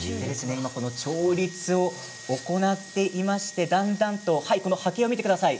調律を行っていましてだんだんと波形を見てください。